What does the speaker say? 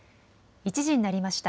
１時になりました。